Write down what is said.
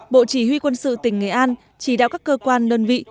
bộ chỉ huy quân sự tỉnh nghệ an chỉ đạo các cơ quan đơn vị